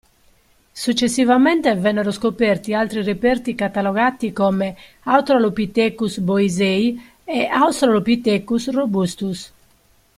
Successivamente vennero scoperti altri reperti catalogati come Autralopithecus Boisei e Australopithecus Robustus.